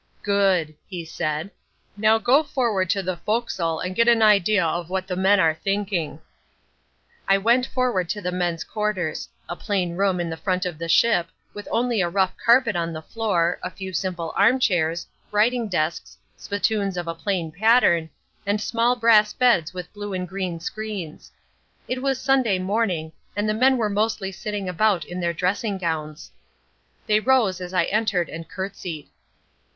"Good," he said, "now go forward to the forecastle and get an idea what the men are thinking." I went forward to the men's quarters—a plain room in the front of the ship, with only a rough carpet on the floor, a few simple arm chairs, writing desks, spittoons of a plain pattern, and small brass beds with blue and green screens. It was Sunday morning, and the men were mostly sitting about in their dressing gowns. They rose as I entered and curtseyed.